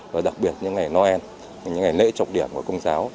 và đặc biệt những ngày noel những ngày lễ trọng điểm của công giáo